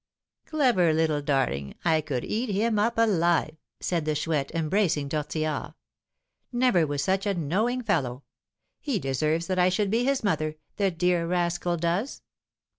"Clever little darling I could eat him up alive!" said the Chouette, embracing Tortillard. "Never was such a knowing fellow. He deserves that I should be his mother, the dear rascal does."